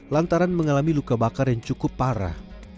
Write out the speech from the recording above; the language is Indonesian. lantaran mengalami luka bakar yang cukup parah